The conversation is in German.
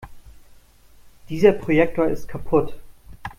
Dieser Projektor ist kaputt.